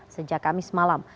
sejak kamis malam